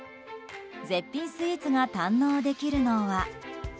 絶品スイーツが堪能できるのは。